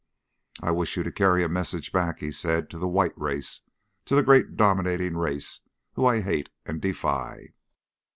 "I wish you to carry a message back," he said, "to the white race, the great dominating race whom I hate and defy.